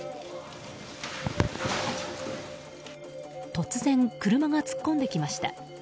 突然、車が突っ込んできました。